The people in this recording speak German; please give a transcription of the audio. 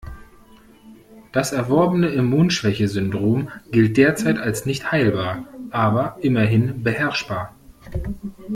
Das erworbene Immunschwächesyndrom gilt derzeit als nicht heilbar, aber immerhin beherrschbar.